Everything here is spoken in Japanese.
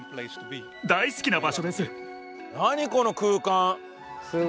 大好きな場所です。